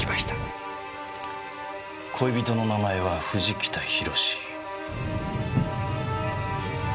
恋人の名前は藤北寛。